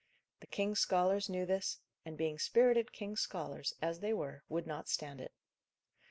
The king's scholars knew this; and, being spirited king's scholars, as they were, would not stand it.